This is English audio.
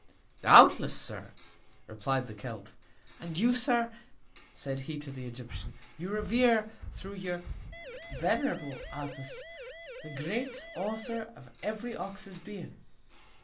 Doubtless, Sir, reply'd the Celt. And you, Sir, said he, to the Egyptian, You revere, thro' your venerable Apis, the great Author of every Ox's Being.